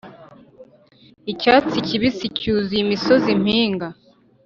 icyatsi kibisi-cyuzuye imisozi-mpinga,